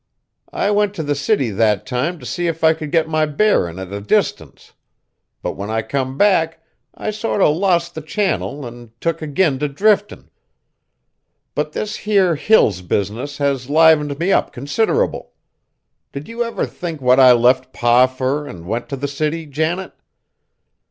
I went t' the city that time t' see if I could get my bearin's at a distance; but when I come back I sorter lost the channel an' took agin t' driftin'. But this here Hills business has livened me up considerable. Did you ever think what I left Pa fur an' went t' the city, Janet?"